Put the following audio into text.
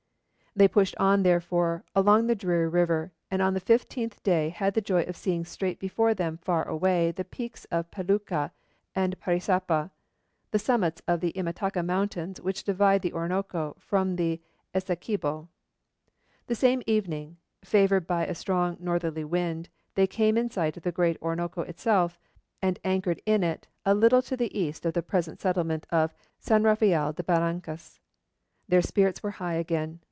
They pushed on therefore along the dreary river, and on the fifteenth day had the joy of seeing straight before them far away the peaks of Peluca and Paisapa, the summits of the Imataca mountains which divide the Orinoco from the Essequibo. The same evening, favoured by a strong northerly wind, they came in sight of the great Orinoco itself, and anchored in it a little to the east of the present settlement of San Rafael de Barrancas. Their spirits were high again.